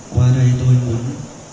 qua đây tôi muốn